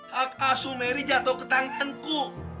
hak asuh mary jatuh ke tanganku